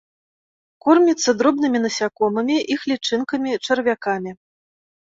Корміцца дробнымі насякомымі, іх лічынкамі, чарвякамі.